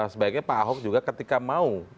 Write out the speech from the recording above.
sebaiknya pak ahok juga ketika mau